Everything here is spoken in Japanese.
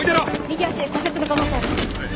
右足骨折の可能性あり。